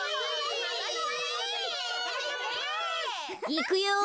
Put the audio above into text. いくよ。